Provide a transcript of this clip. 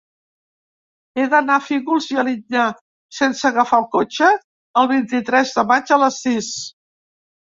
He d'anar a Fígols i Alinyà sense agafar el cotxe el vint-i-tres de maig a les sis.